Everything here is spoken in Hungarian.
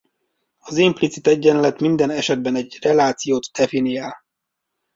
Az implicit egyenlet minden esetben egy relációt definiál.